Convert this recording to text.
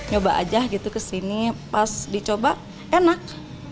coba aja gitu kesini pas dicoba enak